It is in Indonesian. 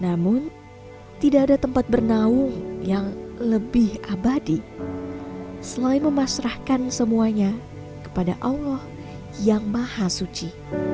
namun tidak ada tempat bernaung yang lebih abadi selain memasrahkan semuanya kepada allah yang maha suci